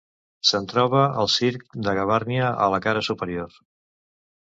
Se'n troba el circ de Gavarnia a la cara superior.